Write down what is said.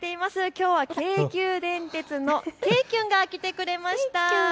きょうは京急電鉄のけいきゅんが来てくれました。